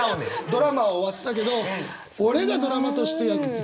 ドラマは終わったけど俺がドラマとして生きていこう。